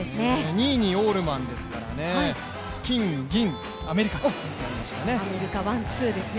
２位にオールマンですからね、金・銀、アメリカとなりましたね。